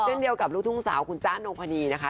เช่นเดียวกับลูกทุ่งสาวคุณจ้านงพนีนะคะ